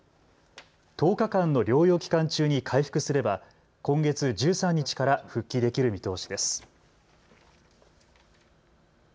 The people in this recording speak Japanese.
１０日間の療養期間中に回復すれば今月１３日から復帰できる見通しです。